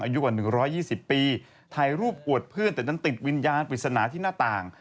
อายุกว่าหนึ่งร้อยยี่สิบปีถ่ายรูปอวดเพื่อนแต่จนติดวิญญาณปริศนาที่หน้าต่าง